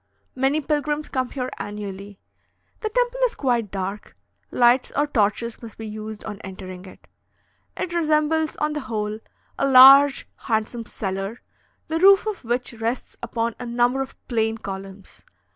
Many pilgrims come here annually. The temple is quite dark; lights or torches must be used on entering it. It resembles, on the whole, a large handsome cellar, the roof of which rests upon a number of plain columns.